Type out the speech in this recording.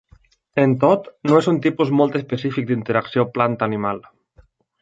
Amb tot, no és un tipus molt específic d'interacció planta-animal.